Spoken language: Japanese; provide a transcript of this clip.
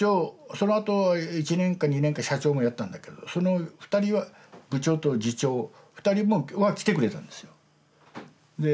そのあと１年か２年か社長もやったんだけどその２人は部長と次長２人は来てくれたんですよ